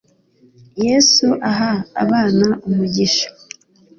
Yesu aha abana umugisha